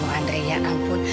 kamu andre ya ampun